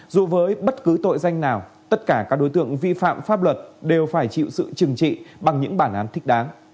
dù với bất cứ tội danh nào tất cả các đối tượng vi phạm pháp luật đều phải chịu sự trừng trị bằng những bản án thích đáng